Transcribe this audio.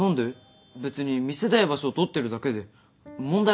別に見せたい場所を撮ってるだけで問題ある？